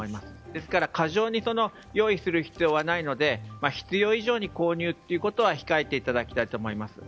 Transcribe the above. ですから過剰に用意する必要はないので必要以上に購入することは控えていただきたいと思います。